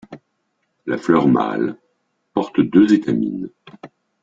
La fleur mâle porte deux étamines.